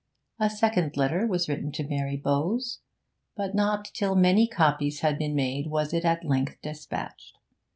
A second letter was written to Mary Bowes; but not till many copies had been made was it at length despatched.